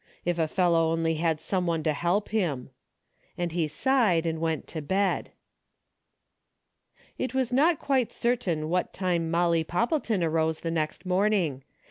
If a fellow only had some one to help him !" and he sighed and went to bed. It is not quite certain what time Molly Poppleton arose the next morning.